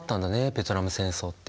ベトナム戦争って。